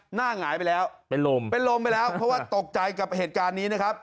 หงายไปแล้วเป็นลมเป็นลมไปแล้วเพราะว่าตกใจกับเหตุการณ์นี้นะครับ